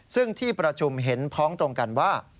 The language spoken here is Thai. ซึ่งที่ประชุมเห็นพ้องตรงกันว่า